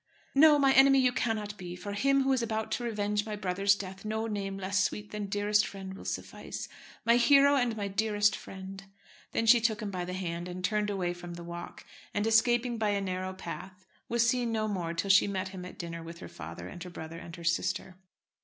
"No, my enemy you cannot be; for him who is about to revenge my brother's death no name less sweet than dearest friend will suffice. My hero and my dearest friend!" Then she took him by the hand, and turned away from the walk, and, escaping by a narrow path, was seen no more till she met him at dinner with her father and her brother and her sister.